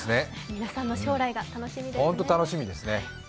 皆さんの将来が楽しみです。